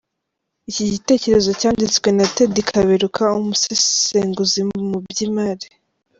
Iki gitekerezo cyanditswe na Teddy Kaberuka, Umusesenguzi mu by’imari.